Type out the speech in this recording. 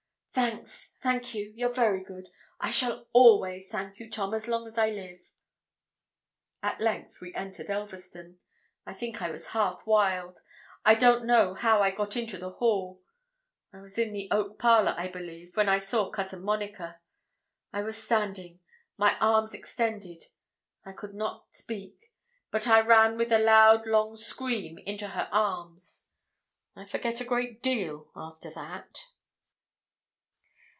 'Thanks thank you you're very good I shall always thank you, Tom, as long as I live!' At length we entered Elverston. I think I was half wild. I don't know how I got into the hall. I was in the oak parlour, I believe, when I saw cousin Monica. I was standing, my arms extended. I could not speak; but I ran with a loud long scream into her arms. I forget a great deal after that.